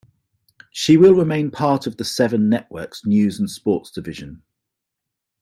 She will remain part of the Seven Network's news and sport division.